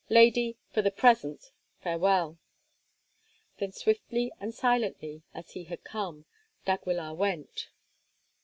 Lady, for the present, farewell." Then swiftly and silently as he had come, d'Aguilar went.